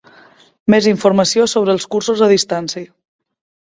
Més informació sobre els cursos a distància.